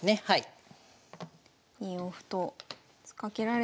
はい。